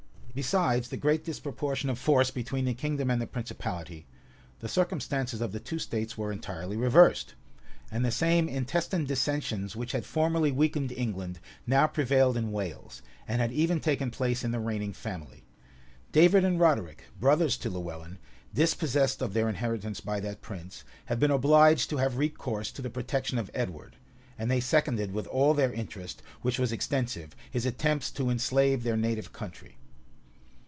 {1277.} Besides the great disproportion of force between the kingdom and the principality, the circumstances of the two states were entirely reversed; and the same intestine dissensions which had formerly weakened England, now prevailed in Wales, and had even taken place in the reigning family. David and Roderic, brothers to Lewellyn, dispossessed of their inheritance by that prince, had been obliged to have recourse to the protection of Edward, and they seconded with all their interest, which was extensive, his attempts to enslave their native country.